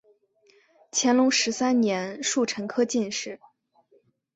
乾隆十三年戊辰科进士。